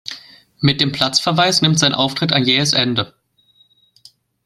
Mit dem Platzverweis nimmt sein Auftritt ein jähes Ende.